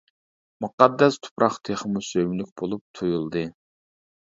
مۇقەددەس تۇپراق تېخىمۇ سۆيۈملۈك بولۇپ تۇيۇلدى.